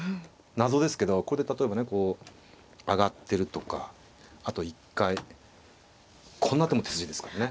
謎ですけどこれで例えばねこう上がってるとかあと１回こんな手も手筋ですからね。